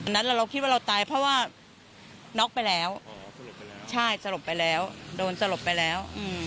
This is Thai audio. วันนั้นเราคิดว่าเราตายเพราะว่าน็อคไปแล้วโดนสลบไปแล้ว